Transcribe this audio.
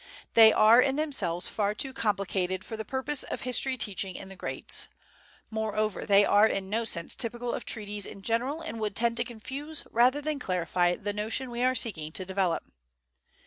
They are in themselves far too complicated for the purpose of history teaching in the grades. Moreover, they are in no sense typical of treaties in general and would tend to confuse rather than clarify the notion we are seeking to develop.